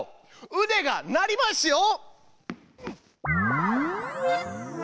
うでが鳴りますよ。